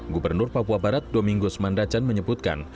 gubernur papua barat domingus mandacan menyebutkan